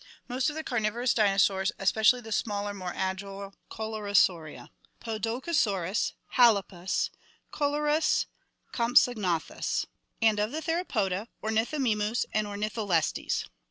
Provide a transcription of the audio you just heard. Most of the carnivorous dinosaurs, especially the smaller, more agile Coelurosauria: Podokesaurus, H alto pus, Calurus. Compsognatkus, and of the Theropoda: Ornithomimus and Ornitholestes.